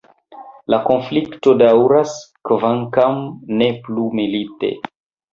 La konflikto daŭras, kvankam ne plu milite.